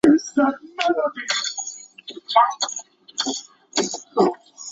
这本书聚焦于美国本科大学申请中那些注重教育质量和学生发展的大学及其介绍。